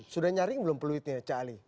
sudah nyaring belum peluitnya cak ali